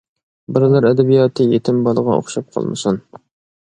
بالىلار ئەدەبىياتى يېتىم بالىغا ئوخشاپ قالمىسۇن!